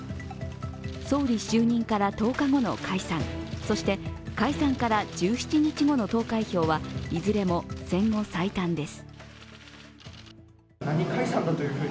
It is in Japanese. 総理就任から１０日後の解散そして、解散から１７日後の投開票はいずれも戦後最短です。